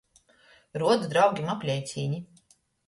Ruodu draugim apleicīni.